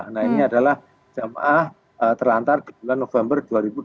nah ini adalah jemaah terlantar di bulan november dua ribu dua puluh